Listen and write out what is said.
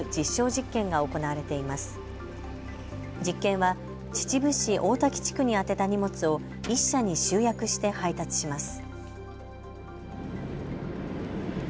実験は秩父市大滝地区に宛てた荷物を１社に集約して配達します。